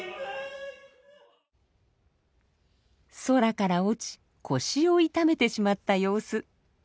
空から落ち腰を痛めてしまった様子。